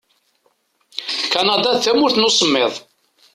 Kanada d tamurt n usemmiḍ.